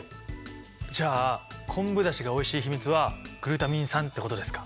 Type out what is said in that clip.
じゃあ昆布だしがおいしい秘密はグルタミン酸ってことですか？